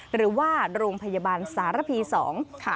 หรือว่าโรงพยาบาลสารพี๒ค่ะ